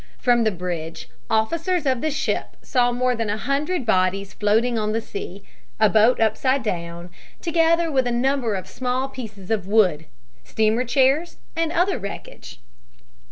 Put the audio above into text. From the bridge, officers of the ship saw more than a hun dred bodies floating on the sea, a boat upside down, together with a number of small pieces of wood, steamer chairs and other wreckage.